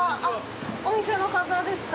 お店の方ですか？